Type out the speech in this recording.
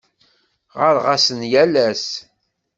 Ɣɣareɣ-asen yal ass.